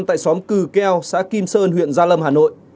tại xóm cừ keo xã kim sơn huyện gia lâm hà nội